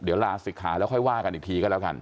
เดี๋ยวลาศิกขาแล้วค่อยว่ากันอีกทีก็แล้วกัน